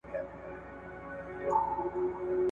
چي آزاد وطن ته ستون سم زما لحد پر کندهار کې !.